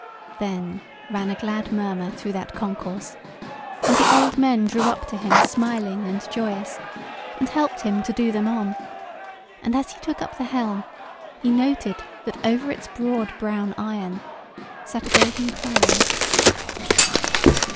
Then ran a glad murmur through that concourse, and the old men drew up to him smiling and joyous, and helped him to do them on; and as he took up the helm, he noted that over its broad brown iron sat a golden crown.